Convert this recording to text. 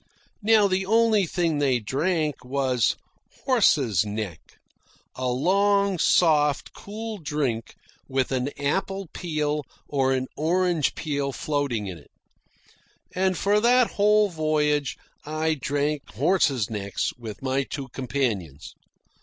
Now the only thing they drank was "horse's neck" a long, soft, cool drink with an apple peel or an orange peel floating in it. And for that whole voyage I drank horse's necks with my two companions.